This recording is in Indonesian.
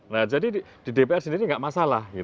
nah jadi di dpr sendiri nggak masalah